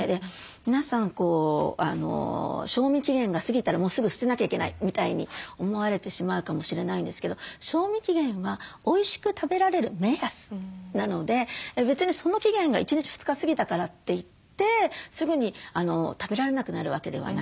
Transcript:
皆さん賞味期限が過ぎたらもうすぐ捨てなきゃいけないみたいに思われてしまうかもしれないんですけど賞味期限はおいしく食べられる目安なので別にその期限が１日２日過ぎたからといってすぐに食べられなくなるわけではない。